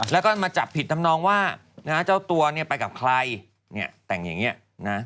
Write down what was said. แล้วก็มาจับผิดทำนองว่านะฮะเจ้าตัวเนี่ยไปกับใครเนี่ยแต่งอย่างนี้นะ